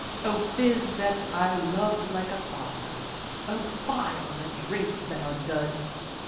O fizz that I loved like a father! O fie on the drinks that are duds!